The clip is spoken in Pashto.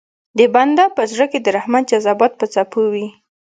د بنده په زړه کې د رحمت جذبات په څپو وي.